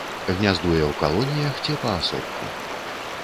Гняздуе ў калоніях ці паасобку.